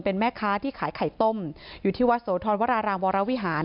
เป็นแม่ค้าที่ขายไข่ต้มอยู่ที่วัดโสธรวรารามวรวิหาร